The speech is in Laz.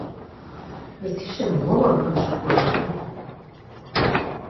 Mitişe mo var gaşǩurinen.